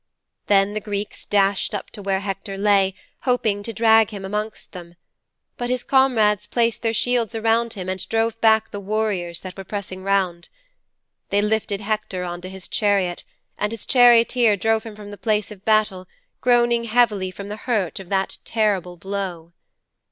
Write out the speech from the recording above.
'Then the Greeks dashed up to where Hector lay, hoping to drag him amongst them. But his comrades placed their shields around him and drove back the warriors that were pressing round. They lifted Hector into his chariot, and his charioteer drove him from the place of battle groaning heavily from the hurt of that terrible blow.'